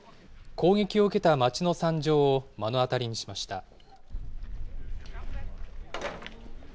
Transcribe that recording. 攻撃を受けた町の惨状を目の当たりにしました。